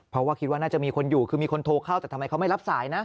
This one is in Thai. เพราะว่าคิดว่าน่าจะมีคนอยู่คือมีคนโทรเข้าแต่ทำไมเขาไม่รับสายนะ